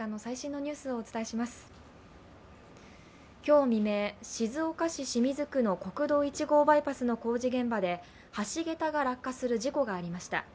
今日未明、静岡市清水区の国道１号バイパスの工事現場で橋桁が落下する事故がありました。